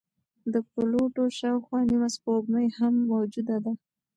د پلوټو شاوخوا نیمه سپوږمۍ هم موجوده ده.